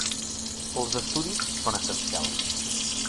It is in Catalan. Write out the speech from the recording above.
Els estudis són essencials.